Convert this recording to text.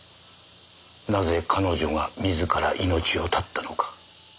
なぜ彼女が自ら命を絶ったのか。